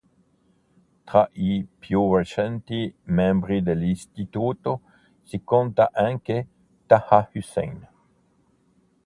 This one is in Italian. Tra i più recenti membri dell'istituto si conta anche Taha Hussein.